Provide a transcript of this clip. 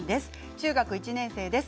中学１年生です。